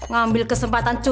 kamu kok publi p jayar maju